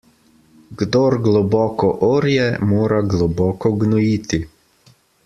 Kdor globoko orje, mora globoko gnojiti.